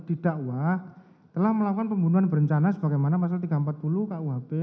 didakwa telah melakukan pembunuhan berencana sebagaimana pasal tiga ratus empat puluh kuhp